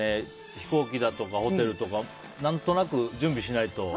飛行機だとか、ホテルとか何となく準備しないと。